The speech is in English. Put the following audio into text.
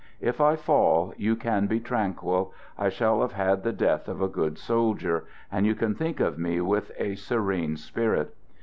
If I fall, you can be tranquil; I shall have had the death of a good soldier and you can think of me with a serene spirit.